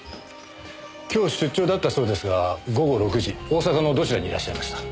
今日出張だったそうですが午後６時大阪のどちらにいらっしゃいました？